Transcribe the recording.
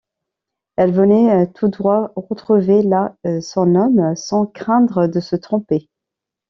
Elle venait tout droit retrouver là son homme, sans craindre de se tromper.